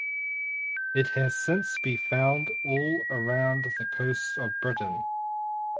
It has since be found all around the coast of Britain.